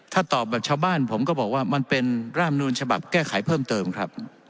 ถ้าตอบแบบชาวบ้านผมก็บอกว่ามันเป็นร่ามนูลฉบับแก้ไขเพิ่มเติมครับ